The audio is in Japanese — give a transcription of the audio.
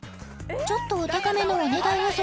ちょっとお高めのお値段予想